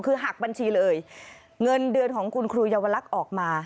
คือหักบัญชีเลยเงินเดือนของคุณครูเยาวลักษณ์ออกมา